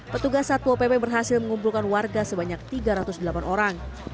petugas satpol pp berhasil mengumpulkan warga sebanyak tiga ratus delapan orang